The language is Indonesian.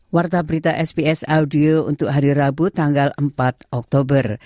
warta berita sps audio untuk hari rabu tanggal empat oktober